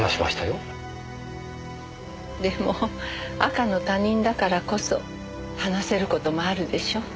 でも赤の他人だからこそ話せる事もあるでしょう。